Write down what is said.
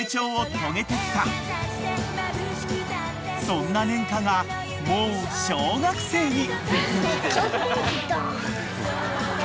［そんな然花がもう小学生に］